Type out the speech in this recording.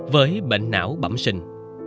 với bệnh não bẩm sinh